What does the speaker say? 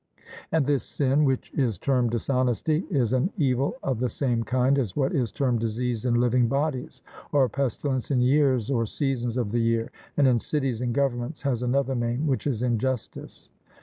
And this sin, which is termed dishonesty, is an evil of the same kind as what is termed disease in living bodies or pestilence in years or seasons of the year, and in cities and governments has another name, which is injustice.